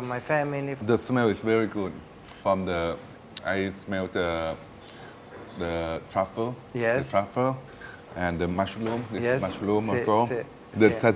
ไม่มีความคิดว่ามัสลุมทรัฟจะเป็นอัลเดนเตอร์